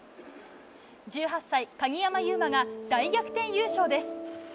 １８歳、鍵山優真が大逆転優勝です。